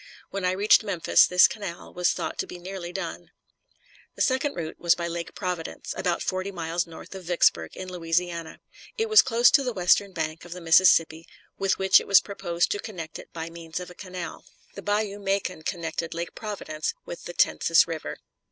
When I reached Memphis this canal was thought to be nearly done. The second route was by Lake Providence, about forty miles north of Vicksburg, in Louisiana. It was close to the western bank of the Mississippi, with which it was proposed to connect it by means of a canal. The Bayou Macon connected Lake Providence with the Tensas River.